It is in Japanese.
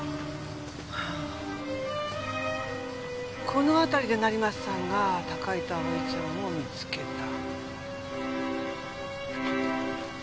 この辺りで成増さんが高井と葵ちゃんを見つけた。